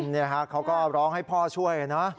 นี่ฮะเขาก็ร้องให้พ่อช่วยนะ